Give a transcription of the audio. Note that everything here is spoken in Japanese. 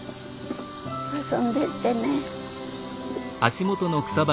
遊んでってね。